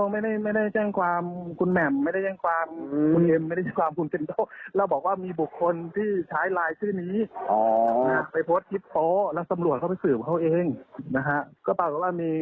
ไม่ไม่ได้แจ้งความคุณแหม่มไม่ได้แจ้งความคุณเอ็ม